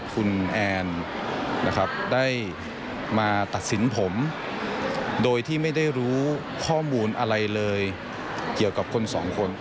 คุณแอนนะครับได้มาตัดสินผมโดยที่ไม่ได้รู้ข้อมูลอะไรเลยเกี่ยวกับคนสองคน